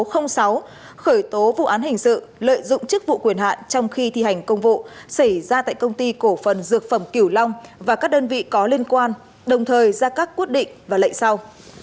khởi tố vụ án hình sự lợi dụng chức vụ quyền hạn trong khi thi hành công vụ xảy ra tại công ty cổ phần dược phẩm kiểu long và các đơn vị có liên quan đồng thời ra các quyết định và lệnh sau